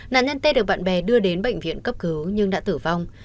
nạn nhân tê được bạn bè đưa đến bệnh viện cấp cứu nhưng đã tử vong